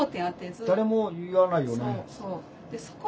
誰も言わないよね。